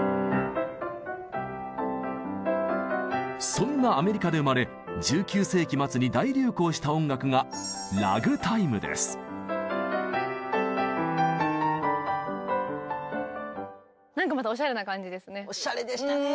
そんなアメリカで生まれ１９世紀末に大流行した音楽がなんかまたおしゃれな感じですね。